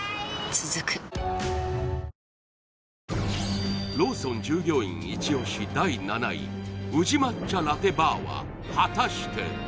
続くローソン従業員イチ押し第７位宇治抹茶ラテバーは果たして？